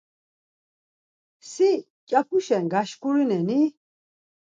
Si mǩyapuşen gaşǩurnen-i?